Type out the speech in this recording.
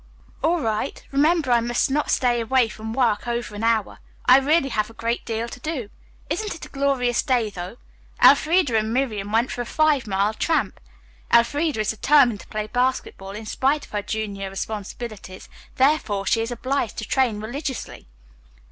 "All right. Remember, I must not stay away from work over an hour. I really have a great deal to do. Isn't it a glorious day, though? Elfreda and Miriam went for a five mile tramp. Elfreda is determined to play basketball in spite of her junior responsibilities, therefore she is obliged to train religiously."